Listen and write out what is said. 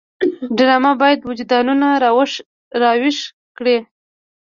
ډرامه باید وجدانونه راویښ کړي